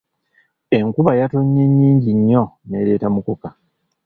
Enkuba yatonye nnyingi nnyo n’ereeta ne mukoka.